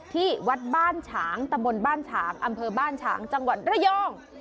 ที่วัดบ้านฉางตะบนบ้านฉางอำเภอบ้านฉางจังหวัดระยอง